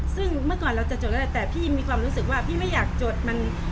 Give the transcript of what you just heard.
ซึ่งเมื่อก่อนเราจะจดอะไรแต่พี่มีความรู้สึกว่าพี่ไม่อยากจดมัน